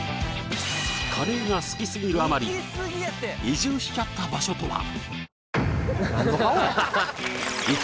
カレーが好きすぎるあまり移住しちゃった場所とは！？